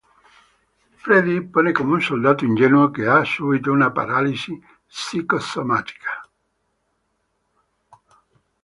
Freddy pone come un soldato ingenuo che ha subito una paralisi psicosomatica.